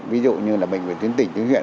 ví dụ như là bệnh viện tuyến tỉnh tuyến huyện